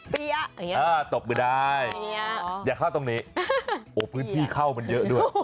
ตกไม่ได้อย่าเข้าตรงนี้โอ้พื้นที่เข้ามันเยอะด้วย